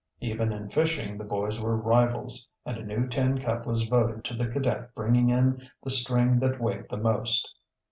Even in fishing the boys were rivals and a new tin cup was voted to the cadet bringing in the string that weighed the most.